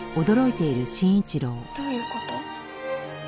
どういう事？